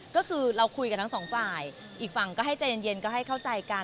ก็คือเราคุยกับทั้งสองฝ่ายอีกฝั่งก็ให้ใจเย็นก็ให้เข้าใจกัน